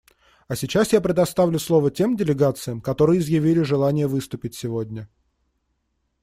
А сейчас я предоставлю слово тем делегациям, которые изъявили желание выступить сегодня.